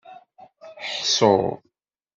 Ḥṣu.